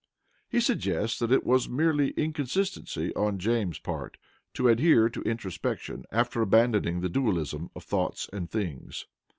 He suggests that it was a mere inconsistency on James's part to adhere to introspection after abandoning the dualism of thoughts and things.